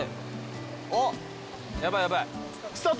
おっヤバいヤバい。